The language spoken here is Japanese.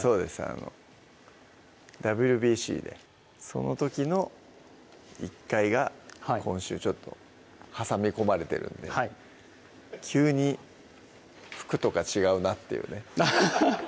あのＷＢＣでその時の１回が今週ちょっと挟み込まれてるんで急に服とか違うなっていうね